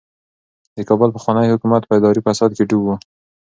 د کابل پخوانی حکومت په اداري فساد کې ډوب و.